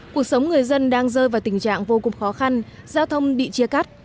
cuộc sống người dân đang rơi vào tình trạng vô cùng khó khăn giao thông bị chia cắt